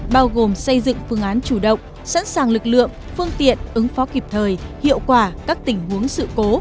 bao gồm xây dựng phương án chủ động sẵn sàng lực lượng phương tiện ứng phó kịp thời hiệu quả các tình huống sự cố